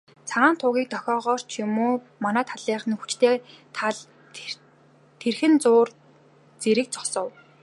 Цагаан тугийн дохиогоор ч юм уу, манай талынхны хүчтэй гал тэрхэн зуур зэрэг зогсов.